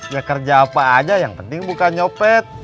ya kerja apa aja yang penting bukan nyopet